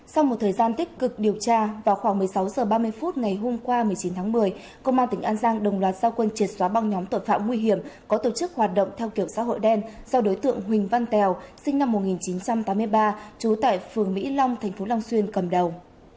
sau một thời gian tích cực điều tra vào khoảng một mươi sáu h ba mươi phút ngày hôm qua một mươi chín tháng một mươi công an tỉnh an giang đồng loạt giao quân triệt xóa băng nhóm tội phạm nguy hiểm có tổ chức hoạt động theo kiểu xã hội đen do đối tượng huỳnh văn tèo sinh năm một nghìn chín trăm tám mươi ba trú tại phường mỹ long tp long xuyên cầm đầu